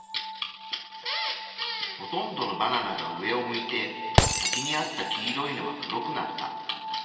ほとんどのバナナが上を向いて先にあった黄色いのは黒くなった。